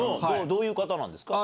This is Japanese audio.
どういう方なんですか？